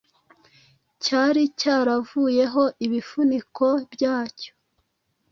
cyari cyaravuyeho ibifuniko byacyo